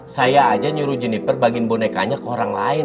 saya aja nyuruh jeniper bagiin bonekanya ke orang lain